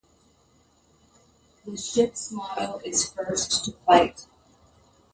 "The ships motto is "First to Fight".